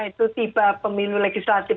itu tiba pemilu legislatif